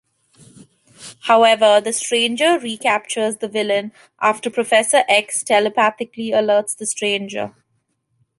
However, the Stranger recaptures the villain after Professor X telepathically alerts the Stranger.